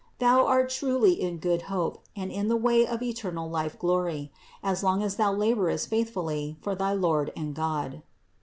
Thou art truly in good hope and in the way of eternal life glory, as long as thou laborest faithfully for thy Lord and God.